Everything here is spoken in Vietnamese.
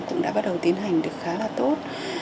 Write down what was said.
cũng đã bắt đầu tiến hành được khá là tốt